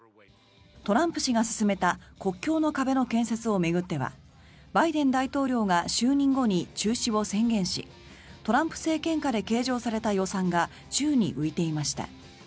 トランプ氏が進めた国境の壁の建設を巡ってはバイデン大統領が就任後に中止を宣言しトランプ政権下で計上された予算が宙に浮いていました。